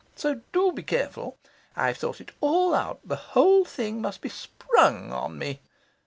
So do be careful. I've thought it all out. The whole thing must be SPRUNG on me.